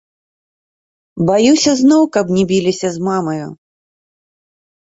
Баюся, зноў каб не біліся з мамаю.